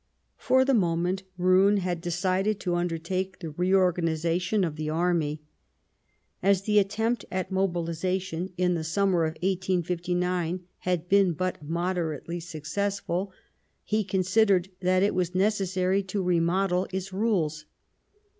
For the moment Roon had decided to undertake the reorganization of the Army. As the attempt at mobilization in the summer of 1859 had been but moderately successful, he considered that it was necessary to remodel its rules.